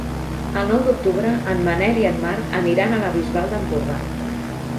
El nou d'octubre en Manel i en Marc aniran a la Bisbal d'Empordà.